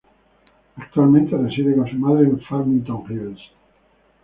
Actualmente reside con su madre en Farmington Hills.